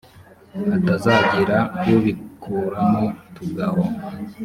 hatazagira ubikuramo tugahomba